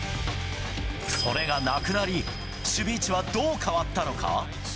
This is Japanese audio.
それがなくなり、守備位置はどう変わったのか？